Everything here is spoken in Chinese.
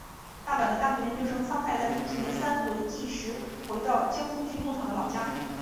大阪的大学研究生苍太在父亲的三回忌时回到江东区木场的老家。